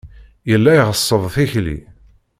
Yella iɣeṣṣeb tikli.